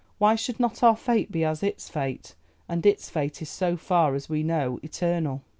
Why should not our fate be as its fate, and its fate is so far as we know eternal.